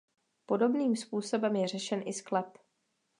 Podobným způsobem je řešen i sklep.